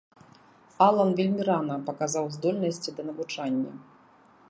Алан вельмі рана паказаў здольнасці да навучання.